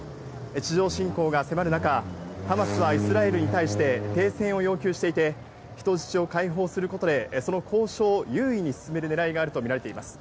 地上侵攻が迫る中、ハマスはイスラエルに対して、停戦を要求していて、人質を解放することでその交渉を優位に進めるねらいがあると見られます。